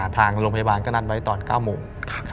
ทางโรงพยาบาลก็นัดไว้ตอน๙โมง